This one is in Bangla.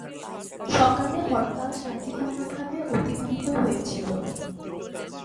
সকালে হরতাল শান্তিপূর্ণ ভাবে অতিবাহিত হয়েছিল।